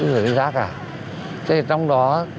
cái giá cả thế trong đó